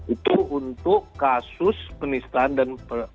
itu untuk kasus penisahan dan penyidikan